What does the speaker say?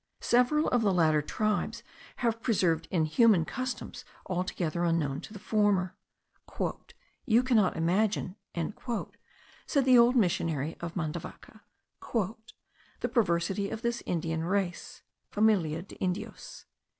Several of the latter tribes have preserved inhuman customs altogether unknown to the former. "You cannot imagine," said the old missionary of Mandavaca, "the perversity of this Indian race (familia de Indios).